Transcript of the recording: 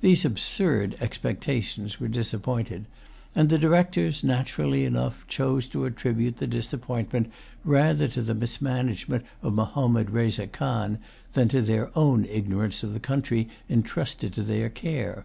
These absurd expectations were disappointed; and the directors, naturally enough, chose to attribute the disappointment rather to the mismanagement of Mahommed Reza Khan than to their own ignorance of the country entrusted to their care.